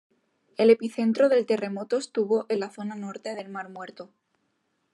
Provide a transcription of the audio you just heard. El epicentro del terremoto estuvo en la zona norte del Mar Muerto.